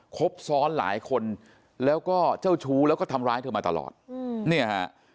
ครบซ้อนหลายคนแล้วก็เจ้าชู้แล้วก็ทำร้ายเธอมาตลอดเนี่ยฮะ